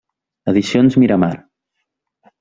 Edicions Miramar.